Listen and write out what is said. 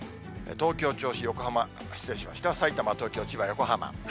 東京、銚子、横浜、失礼しました、さいたま、東京、千葉、横浜。